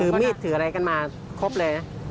หรือมีดถืออะไรกันมาครบเลย